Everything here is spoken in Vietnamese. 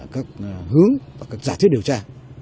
các hướng và các giả thiết điều tra